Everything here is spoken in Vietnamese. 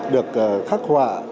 được khắc họa